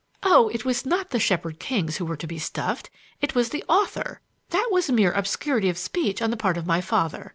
"Oh, it was not the Shepherd Kings who were to be stuffed. It was the author! That was mere obscurity of speech on the part of my father.